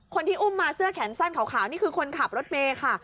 คนที่อุ้มมาเสื้อแขนสั้นขาวนี่คือคนขับรถเมย์ค่ะ